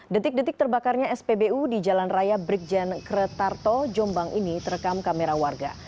detik detik terbakarnya spbu di jalan raya brikjen kretarto jombang ini terekam kamera warga